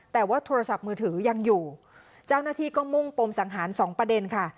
แต่ว่าโทรศัพท์มือถือยังอยู่เจ้าหน้าที่ก็มุ่งปมสังหารสองประเด็นค่ะ